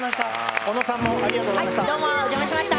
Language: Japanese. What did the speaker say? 小野さんもありがとうございました。